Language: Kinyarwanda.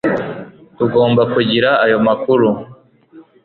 Ntugomba kugira ayo makuru